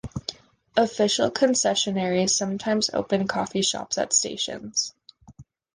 Official concessionaires sometimes open coffee shops at stations.